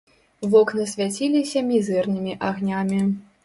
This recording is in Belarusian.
Вокны свяціліся мізэрнымі агнямі.